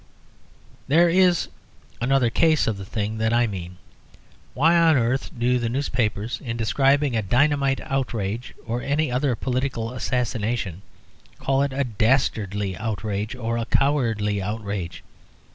There is another case of the thing that I mean. Why on earth do the newspapers, in describing a dynamite outrage or any other political assassination, call it a "dastardly outrage" or a cowardly outrage?